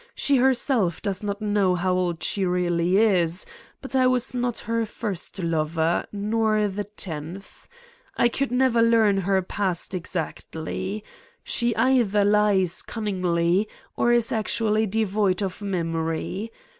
She herself does not know how old she really is, but I was not her first lover ... nor the tenth. I could never learn her past exactly. She either lies cunningly or is actu ally devoid of memory.